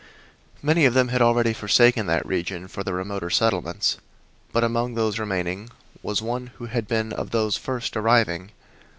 Many of them had already forsaken that region for the remoter settlements, but among those remaining was one who had been of those first arriving.